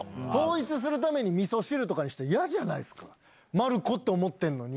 まるこって思ってんのに。